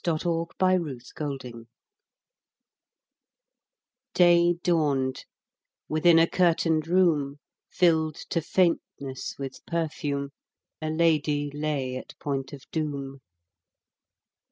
Y Z History of a Life DAY dawned: within a curtained room, Filled to faintness with perfume, A lady lay at point of doom.